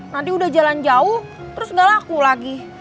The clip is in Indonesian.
nanti udah jalan jauh terus nggak laku lagi